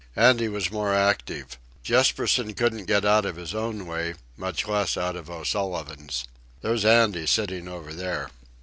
Andy was more active. Jespersen couldn't get out of his own way, much less out of O'Sullivan's. There's Andy sitting over there."